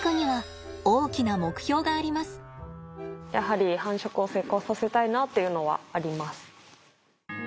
やはり繁殖を成功させたいなっていうのはあります。